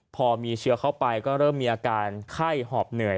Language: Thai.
พอมีเชื้อเข้าไปก็เริ่มมีอาการไข้หอบเหนื่อย